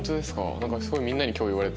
なんかすごいみんなに今日言われて。